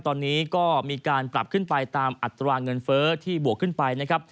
ตอนนี้ก็มีการปรับขึ้นไปตามอัตรวาเงินเฟิร์สที่บวกขึ้นไป